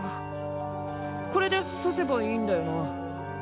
これでさせばいいんだよな？